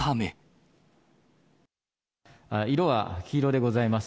色は黄色でございます。